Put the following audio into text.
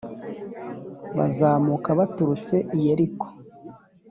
buzamuka buturutse i Yeriko